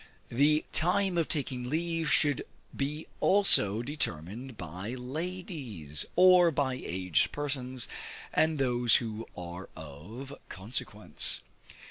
The time of taking leave should be also determined by ladies, or by aged persons, and those who are of consequence.